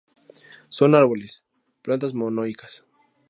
Son árboles; plantas monoicas.